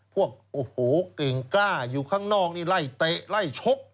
พวกโอ้โหเก่งกล้าอยู่ข้างนอกนี่ไล่เตะไล่ชก